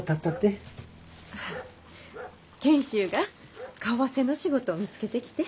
賢秀が為替の仕事を見つけてきて。